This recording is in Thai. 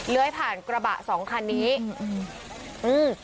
เลื้อยผ่านกระบะสองคันนี้อืม